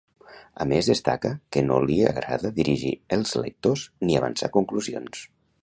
A més, destaca que no li agrada dirigir els lectors ni avançar conclusions.